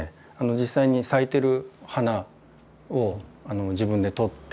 実際に咲いてる花を自分でとって。